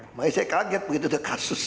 makanya saya kaget begitu itu kasusnya